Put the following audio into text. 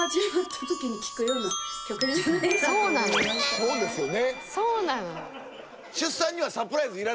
そうですよね。